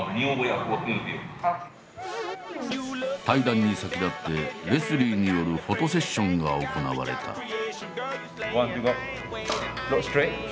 対談に先立ってレスリーによるフォトセッションが行われた。